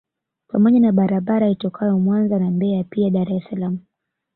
Pamoja na barabara itokayo Mwanza na Mbeya pia Dar es Salaam